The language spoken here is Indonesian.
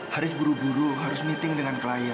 harus buru buru harus meeting dengan klien